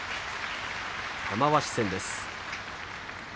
玉鷲戦です。